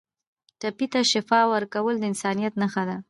ټپي ته شفا ورکول د انسانیت نښه ده.